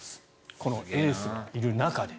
このエースのいる中で。